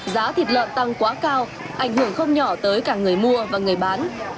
giá thịt lợn tăng quá cao ảnh hưởng không nhỏ tới cả người mua và người bán